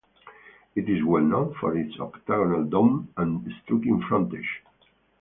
It is well known for its octagonal dome and striking frontage.